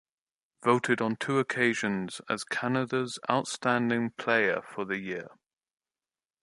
Voted on two occasions as Canada's outstanding player for the year.